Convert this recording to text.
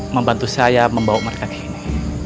membantu saya membawa mereka ke sini